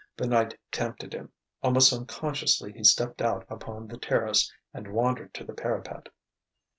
The night tempted him. Almost unconsciously he stepped out upon the terrace and wandered to the parapet.